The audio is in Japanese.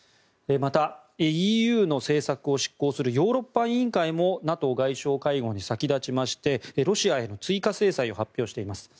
また、ＥＵの政策を執行するヨーロッパ委員会もＮＡＴＯ外相会合に先立ちましてロシアへの追加制裁を発表しています。